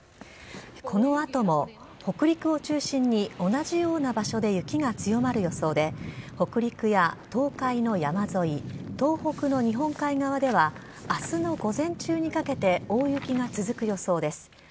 この後も北陸を中心に同じような場所で雪が強まる予想で北陸や東海の山沿い東北の日本海側では明日の午前中にかけて大雪が続く予想です。